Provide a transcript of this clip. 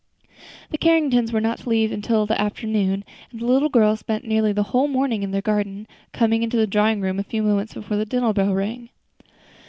The Carringtons were not to leave until the afternoon, and the little girls spent nearly the whole morning in the garden, coming into the drawing room a few moments before the dinner bell rang.